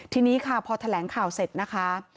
ทีนี้ค่ะพอแถลงข่าวเสร็จนะคะ